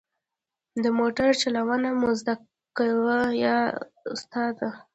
د موټر چلوونه مه زده کوه بې استاده.